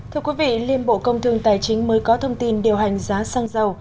thưa quý vị liên bộ công thương tài chính mới có thông tin điều hành giá xăng dầu